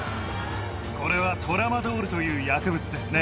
これはトラマドールという薬